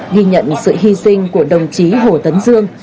ghi nhận sự hy sinh của đồng chí hồ tấn dương